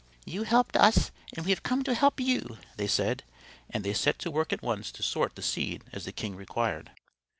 "You helped us, and we have come to help you," they said; and they set to work at once to sort the seed as the king required.